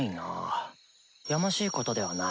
やましいことではない！